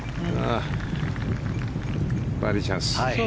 バーディーチャンス。